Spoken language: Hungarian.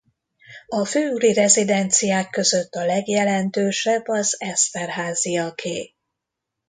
A főúri rezidenciák között a legjelentősebb az Esterházyaké.